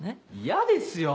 嫌ですよ